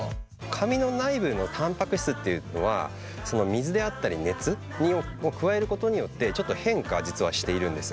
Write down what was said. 髪の内部のたんぱく質っていうのは水であったり熱を加えることによってちょっと変化実はしているんです。